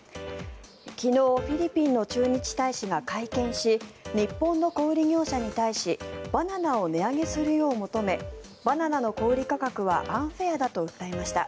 昨日、フィリピンの駐日大使が会見し日本の小売業界に対しバナナを値上げするよう求めバナナの小売価格はアンフェアだと訴えました。